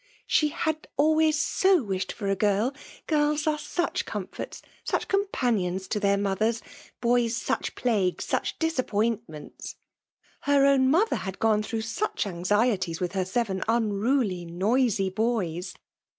" She had always so wished for a girl ;— girls are such comforts, such companions to their mothers ;— boys such plagues, such dis appointments!— Her own mother had gone through such anxieties with her seven unruly noisy boys!